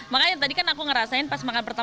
makanya tadi kan aku ngerasain pas makan pertama